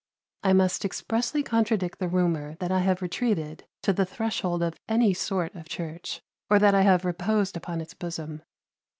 "I must expressly contradict the rumor that I have retreated to the threshold of any sort of church, or that I have reposed upon its bosom.